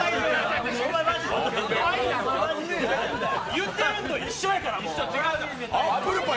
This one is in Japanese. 言ったのと一緒やから。